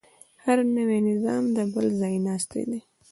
هر نوی نظام د بل ځایناستی دی.